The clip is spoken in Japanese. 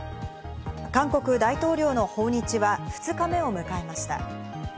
韓国大統領の訪日は２日目を迎えました。